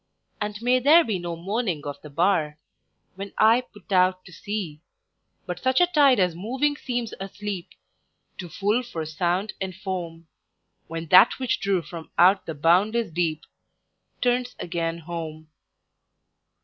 And may there be no moaning of the bar, When I put out to sea, But such a tide as moving seems asleep, Too full for sound and foam, When that which drew from out the boundless deep Turns again home.